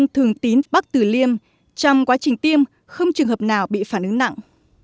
trong quá trình tiêm không trường hợp nào bị phản ứng nặng